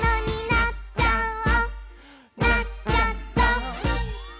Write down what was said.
「なっちゃった！」